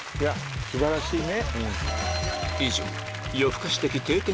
素晴らしいね！